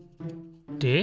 で？